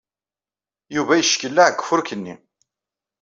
Yuba yeckelleɛ deg ufurk-nni.